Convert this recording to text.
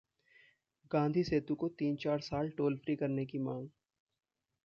गांधी सेतु को तीन-चार साल टोल फ्री करने की मांग